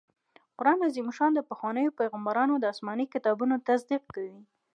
قرآن عظيم الشان د پخوانيو پيغمبرانو د اسماني کتابونو تصديق کوي